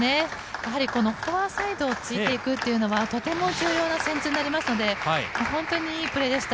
やはり、フォアサイドをついていくというのはとても難しい戦術になりますので本当にいいプレーでした。